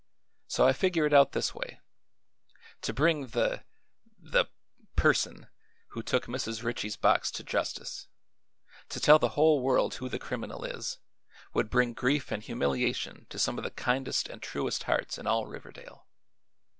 So I figure it out this way: To bring the the person who took Mrs. Ritchie's box to justice, to tell the whole world who the criminal is, would bring grief an' humiliation to some of the kindest and truest hearts in all Riverdale.